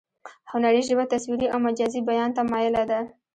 هنري ژبه تصویري او مجازي بیان ته مایله ده